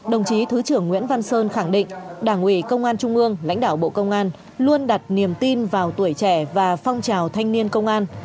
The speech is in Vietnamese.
đồng chí thứ trưởng nguyễn văn sơn khẳng định đảng ủy công an trung ương lãnh đạo bộ công an luôn đặt niềm tin vào tuổi trẻ và phong trào thanh niên công an